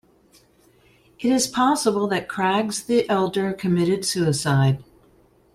It is possible that Craggs the Elder committed suicide.